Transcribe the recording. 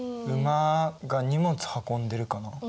馬が荷物運んでるかな。